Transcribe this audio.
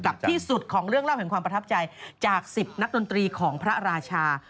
ที่สุดของเรื่องเล่าแห่งความประทับใจจาก๑๐นักดนตรีของพระราชา